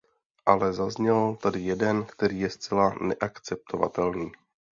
Ale zazněl tady jeden, který je zcela neakceptovatelný.